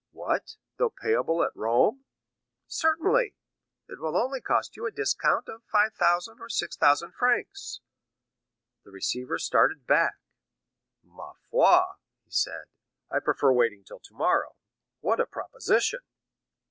"What, though payable at Rome?" "Certainly; it will only cost you a discount of 5,000 or 6,000 francs." The receiver started back. "Ma foi!" he said, "I prefer waiting till tomorrow. What a proposition!"